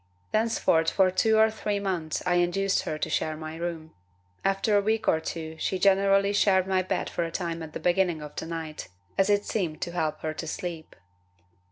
Thenceforth for two or three months I induced her to share my room. After a week or two she generally shared my bed for a time at the beginning of the night, as it seemed to help her to sleep.